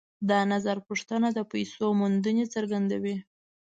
دا نظرپوښتنه د پیسو موندنې څرګندوي